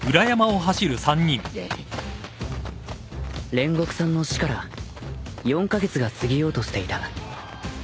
［煉獄さんの死から４カ月が過ぎようとしていた］